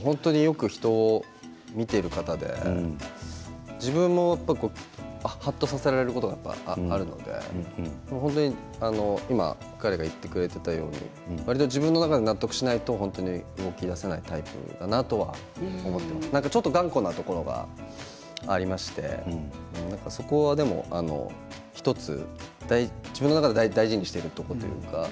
本当によく人を見ている方で自分もはっとさせられることがあるので今、彼が言ってくれていたようにわりと自分の中で納得しないと動きだせないタイプなのかなと思ってちょっと頑固なところがありましてそこが、でも１つ自分の中では大事にしているところというか。